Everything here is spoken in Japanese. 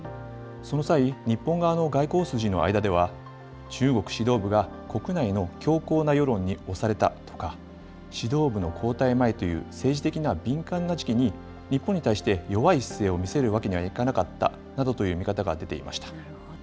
その際、日本側の外交筋の間では、中国指導部が国内の強硬な世論に押されたとか、指導部の交代前という政治的な敏感な時期に、日本に対して弱い姿勢を見せるわけにはいかなかったなどという見なるほど。